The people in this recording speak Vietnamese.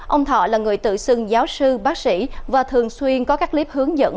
ông thọ là người tự xưng giáo sư bác sĩ và thường xuyên có các clip hướng dẫn